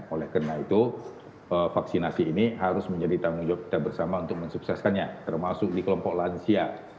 oleh karena itu vaksinasi ini harus menjadi tanggung jawab kita bersama untuk mensukseskannya termasuk di kelompok lansia